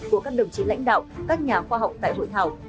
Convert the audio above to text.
của các đồng chí lãnh đạo các nhà khoa học tại hội thảo